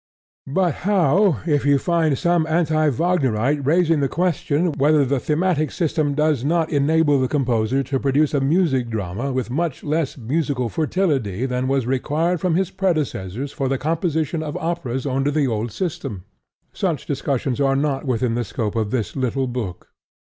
But how if you find some anti Wagnerite raising the question whether the thematic system does not enable the composer to produce a music drama with much less musical fertility than was required from his predecessors for the composition of operas under the old system! Such discussions are not within the scope of this little book.